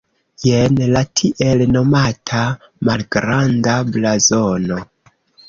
Jen la tiel nomata "malgranda blazono".